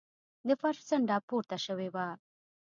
د فرش څنډه پورته شوې وه.